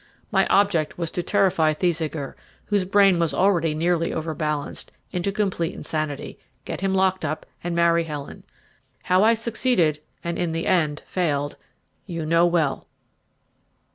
My object was to terrify Thesiger, whose brain was already nearly overbalanced, into complete insanity, get him locked up, and marry Helen. How I succeeded, and in the end failed, you know well!"